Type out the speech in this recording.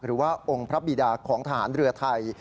หรือว่าองค์พระบิดาของทหารเรือไทย